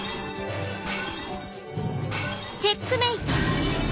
チェックメイト！